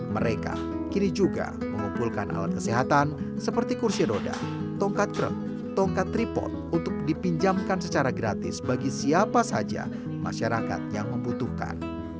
mereka kini juga mengumpulkan alat kesehatan seperti kursi roda tongkat kruk tongkat tripot untuk dipinjamkan secara gratis bagi siapa saja masyarakat yang membutuhkan